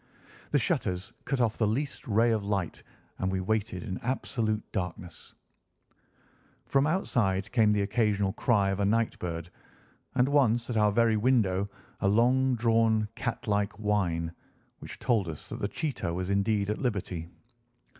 The shutters cut off the least ray of light, and we waited in absolute darkness. From outside came the occasional cry of a night bird, and once at our very window a long drawn catlike whine, which told us that the cheetah was indeed at liberty.